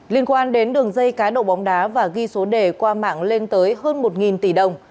liên quan đến đường dây cá độ bóng đá và ghi số đề qua mạng lên tới hơn một tỷ đồng